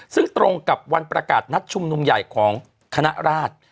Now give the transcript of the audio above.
ซึ่งตรงกับวันประกาศนัดชุมนุมใหญ่ของคณะราช